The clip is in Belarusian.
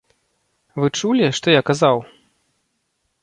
Вы чулі, што я казаў?